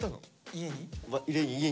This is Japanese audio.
家に？